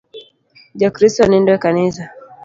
Ja Kristo nindo e kanisa